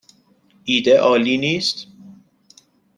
ایده عالی نیست؟